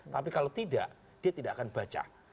tapi kalau tidak dia tidak akan baca